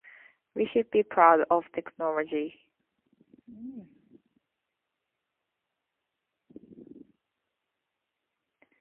We should be proud of technology.